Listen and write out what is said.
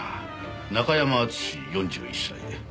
中山篤志４１歳。